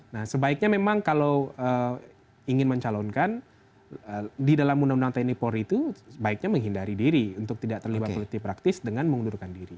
nah sebaiknya memang kalau ingin mencalonkan di dalam undang undang tni polri itu sebaiknya menghindari diri untuk tidak terlibat politik praktis dengan mengundurkan diri